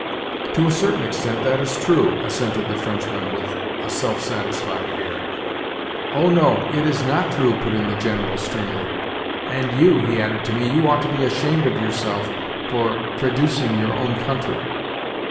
"To a certain extent that is true," assented the Frenchman with a self satisfied air. "Oh no, it is not true," put in the General sternly. "And you," he added to me, "you ought to be ashamed of yourself for traducing your own country!"